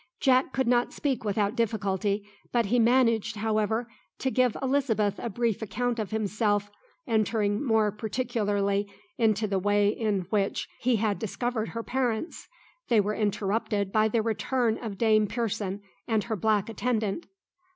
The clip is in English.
Jack could not speak without difficulty, but he managed, however, to give Elizabeth a brief account of himself, entering more particularly into the way in which he had discovered her parents. They were interrupted by the return of Dame Pearson and her black attendant.